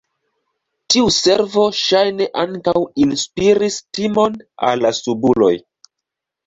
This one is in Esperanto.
Tiu servo ŝajne ankaŭ inspiris timon al la subuloj.